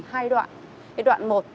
hai đoạn cái đoạn một